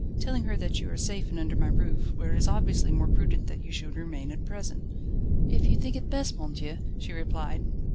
telling her that you are safe and under my roof, where it is obviously more prudent that you should remain at present." "If you think it best, monsieur," she replied.